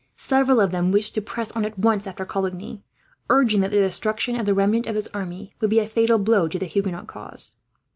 Several of them wished to press on at once after Coligny, urging that the destruction of the remnant of his army would be a fatal blow to the Huguenot cause.